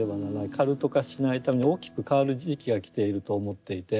カルト化しないために大きく変わる時期が来ていると思っていて。